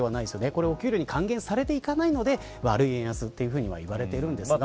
これがお給料に還元されていないので悪い円安と言われているんですが。